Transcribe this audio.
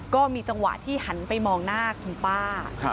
ก็มีจังหวะที่หันไปมองหน้าคุณป้า